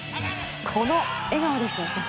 この笑顔です。